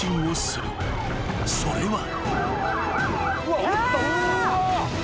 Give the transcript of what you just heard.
［それは］